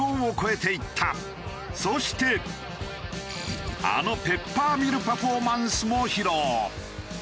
そしてあのペッパーミルパフォーマンスも披露。